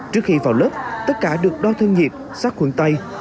trước khi vào lớp tất cả được đo thương nhiệp sát khuẩn tay